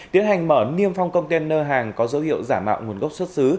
tiến hành mở niêm phong container hàng có dấu hiệu giả mạo nguồn gốc xuất xứ